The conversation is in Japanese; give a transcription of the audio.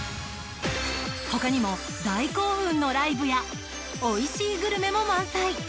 ほかにも大興奮のライブやおいしいグルメも満載。